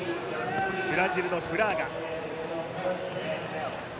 ブラジルのフラーガ。